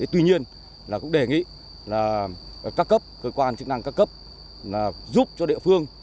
tuy nhiên cũng đề nghị là các cấp cơ quan chức năng các cấp giúp cho địa phương